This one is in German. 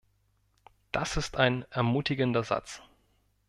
Das ist ein ermutigender Satz.